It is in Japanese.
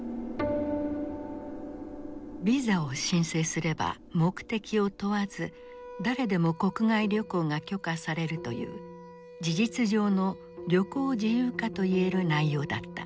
ビザを申請すれば目的を問わず誰でも国外旅行が許可されるという事実上の旅行自由化といえる内容だった。